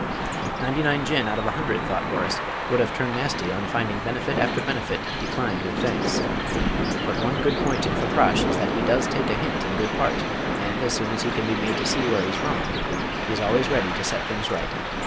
"Ninety nine Jinn out of a hundred," thought Horace, "would have turned nasty on finding benefit after benefit 'declined with thanks.' But one good point in Fakrash is that he does take a hint in good part, and, as soon as he can be made to see where he's wrong, he's always ready to set things right.